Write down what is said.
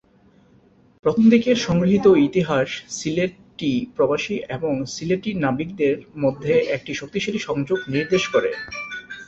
প্রথম দিকের সংগৃহীত ইতিহাস সিলেটি প্রবাসী এবং সিলেটি নাবিকদের মধ্যে একটি শক্তিশালী সংযোগ নির্দেশ করে।